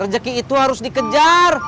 rejeki itu harus dikejar